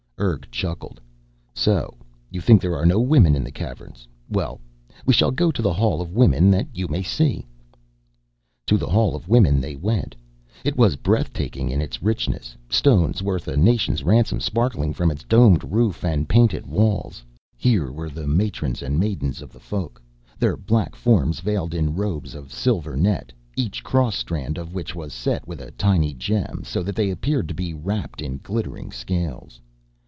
Urg chuckled. "So, you think there are no women in the Caverns? Well, we shall go to the Hall of Women that you may see." To the Hall of Women they went. It was breath taking in its richness, stones worth a nation's ransom sparkling from its domed roof and painted walls. Here were the matrons and maidens of the Folk, their black forms veiled in robes of silver net, each cross strand of which was set with a tiny gem, so that they appeared to be wrapped in glittering scales.